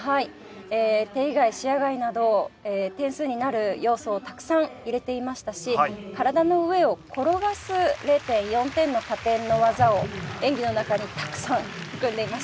手以外視野外など点数になる要素をたくさん入れていましたし体の上を転がす０．４点の加点の技を演技の中にたくさん含んでいました。